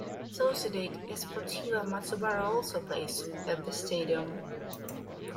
Sociedade Esportiva Matsubara also plays at the stadium.